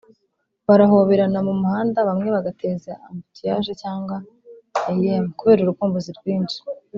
barahoberana mu muhanda bamwe bagateza "embouteillage" cyangwa "Iam" kubera urukumbuzi rwinshi”